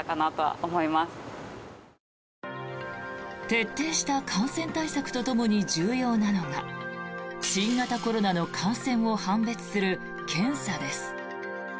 徹底した感染対策とともに重要なのが新型コロナの感染を判別する検査です。